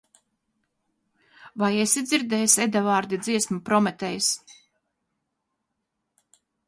Vai esi dzirdējis Edavārdi dziesmu "Prometejs"?